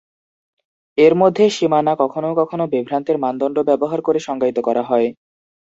এর মধ্যে সীমানা কখনও কখনও বিভ্রান্তির মানদণ্ড ব্যবহার করে সংজ্ঞায়িত করা হয়।